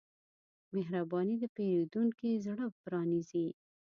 مهرباني د پیرودونکي زړه پرانیزي.